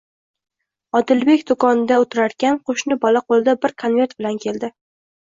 Odilbek do'konda o'tirarkan, qo'shni bola qo'lida bir konvert bilan keldi: